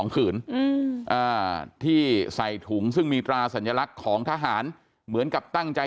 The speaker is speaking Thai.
ขืนที่ใส่ถุงซึ่งมีตราสัญลักษณ์ของทหารเหมือนกับตั้งใจ